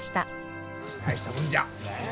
大したもんじゃ。